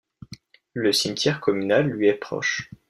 Le cimetière communal lui est proche.